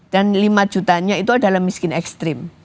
dan lima jutanya itu adalah miskin ekstrim